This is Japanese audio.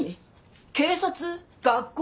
警察？学校？